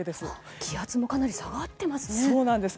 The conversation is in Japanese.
気圧もかなり下がってますね。